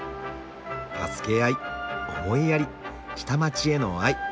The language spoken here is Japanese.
「助け合い」「思いやり」「下町への愛」。